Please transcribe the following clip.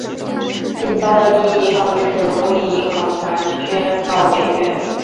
并遭到第一银行为首的公营银行团宣告违约。